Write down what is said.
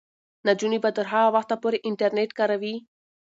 نجونې به تر هغه وخته پورې انټرنیټ کاروي.